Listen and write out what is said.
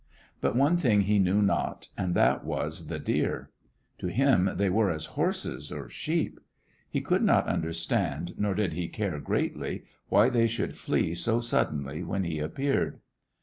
But one thing he knew not, and that was the deer. To him they were as horses or sheep. He could not understand, nor did he care greatly, why they should flee so suddenly when he appeared.